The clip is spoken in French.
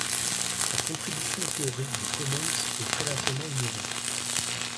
La contribution théorique de Commons est très largement ignorée.